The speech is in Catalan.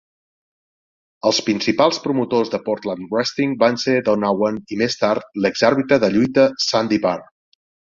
Els principals promotors de "Portland Wrestling" van ser Don Owen, i més tard, l'ex-àrbitre de lluita Sandy Barr.